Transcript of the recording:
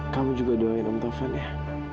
kamu juga doain om taufan ya